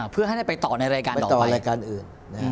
เพื่อให้ไปต่อในรายการออกไปไปต่อรายการอื่น